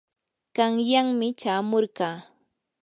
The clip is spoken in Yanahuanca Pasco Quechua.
qanyanmi chamurqaa.